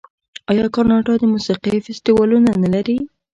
آیا کاناډا د موسیقۍ فستیوالونه نلري؟